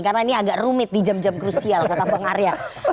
karena ini agak rumit di jam jam krusial kata pengaruh ya